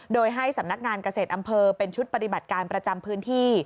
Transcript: โดยให้สำนักงานเกษตรอำเภอเป็นชุดปฏิบัติการประจำพื้นที่